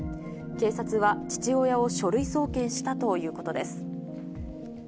警察は、父親を書類送検したということです。